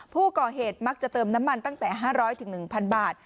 ผู้ก่อเหตุมักจะเติมน้ำมันตั้งแต่๕๐๐๑๐๐บาท